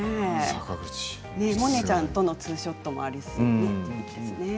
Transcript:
モネちゃんとのツーショットもありますね。